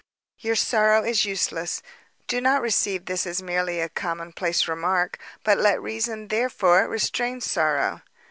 "Your sorrow is useless. Do not receive this as merely a commonplace remark, but let reason therefore restrain sorrow.